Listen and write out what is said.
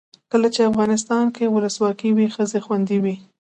کله چې افغانستان کې ولسواکي وي ښځې خوندي وي.